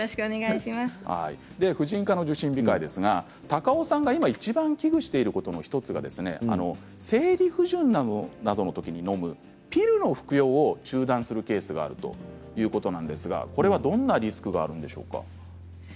高尾さんが今いちばん危惧していることの１つが生理不順などのときにのむピルの服用を中断するケースがあるということなんですがこれはどんなリスクがあるんでしょうか。